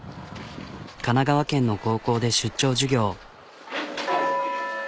神奈川県の高校で出張授業。